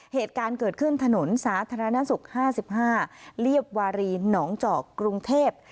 เหตุการณ์เกิดขึ้นถนนสาธารณสุข๕๕เรียบวารีหนองเจาะกรุงเทพ